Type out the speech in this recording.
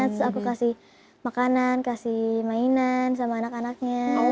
terus aku kasih makanan kasih mainan sama anak anaknya